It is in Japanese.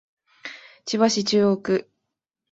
千葉市中央区